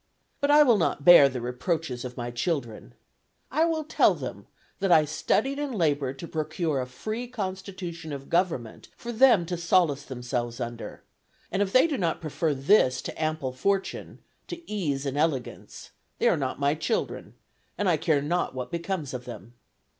But I will not bear the reproaches of my children. I will tell them that I studied and labored to procure a free constitution of government for them to solace themselves under, and if they do not prefer this to ample fortune, to ease and elegance, they are not my children, and I care not what becomes of them.